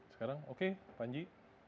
sekarang oke panji